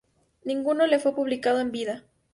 Ninguno le fue publicado en vida.